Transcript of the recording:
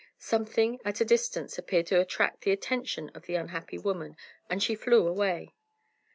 Something at a distance appeared to attract the attention of the unhappy woman, and she flew away.